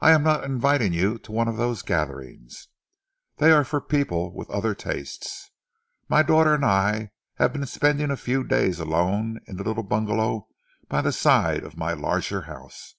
I am not inviting you to one of those gatherings. They are for people with other tastes. My daughter and I have been spending a few days alone in the little bungalow by the side of my larger house.